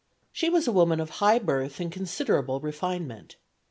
She was a woman of high birth and considerable refinement.